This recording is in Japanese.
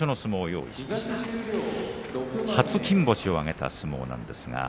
初金星を挙げた相撲です。